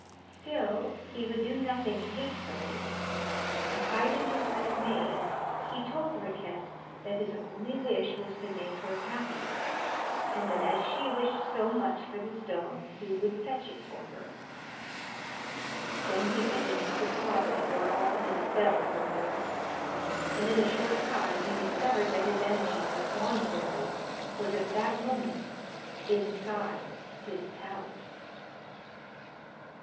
Still, he would do nothing hastily, and, hiding his dismay, he told Riquette that his only wish was to make her happy, and that as she wished so much for the stone he would fetch it for her. Then he went into the closet where all his spells were worked, and in a short time he discovered that his enemy the Swan fairy was at that moment inside his palace.